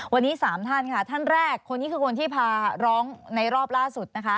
วันนี้๓ท่านค่ะท่านแรกคนนี้คือคนที่พาร้องในรอบล่าสุดนะคะ